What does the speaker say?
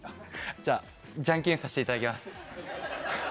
では、じゃんけんさせていただきます。